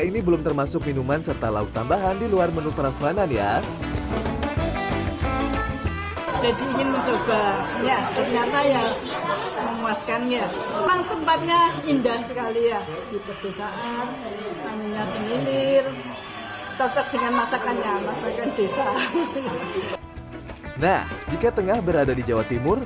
nah jika tengah berada di jawa timur